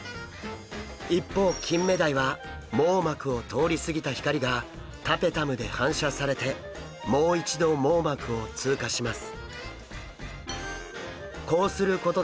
一方キンメダイは網膜を通り過ぎた光がタペタムで反射されてもう一度網膜を通過します。